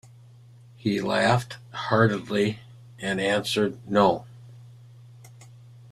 He laughed heartily and answered, "No."